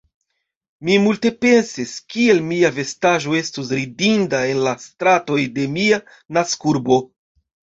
Mi multe pensis, kiel mia vestaĵo estus ridinda en la stratoj de mia naskurbo.